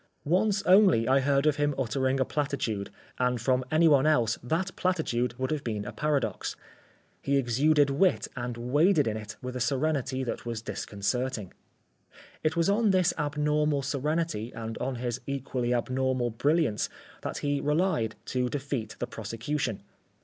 Once only I heard of him uttering a platitude and from any one else that platitude would have been a paradox. He exuded wit and waded in it with a serenity that was disconcerting. It was on this abnormal serenity and on his equally abnormal brilliance that he relied to defeat the prosecution.